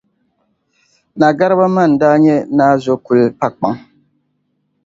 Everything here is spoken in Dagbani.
Naa Gariba ma n-daa nyɛ Naa Zokuli Pakpan.